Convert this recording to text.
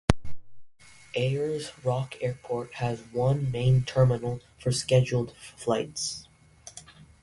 Ayers Rock Airport has one main terminal for scheduled flights.